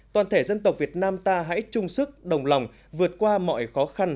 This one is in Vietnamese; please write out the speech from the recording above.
toàn thể dân tộc việt nam ta hãy chung sức đồng lòng vượt qua mọi khó khăn